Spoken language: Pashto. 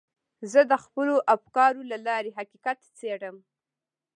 زه د خپلو افکارو له لارې حقیقت څېړم.